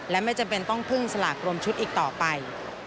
และไม่จำเป็นต้องพึ่งสลากรวมชุดอีกต่อไป